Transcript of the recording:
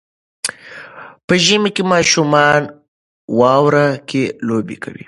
په ژمي کې ماشومان واوره کې لوبې کوي.